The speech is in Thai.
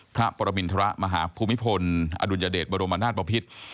พระปรมินทรมาหาภูมิพลอดุลยเดชบรมนาศบพิษ